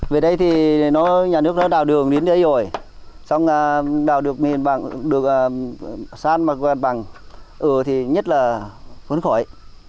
về đây thì nhà nước nó đào đường đến đây rồi xong đào được nền bằng được sát mặt bằng ở thì nhất là vốn khỏi